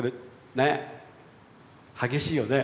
ねえ激しいよね。